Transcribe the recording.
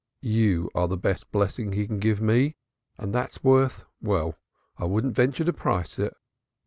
"You are the best blessing he can give me and that's worth well, I wouldn't venture to price it."